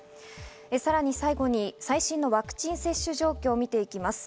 さらに最後に最新のワクチン接種状況を見ていきます。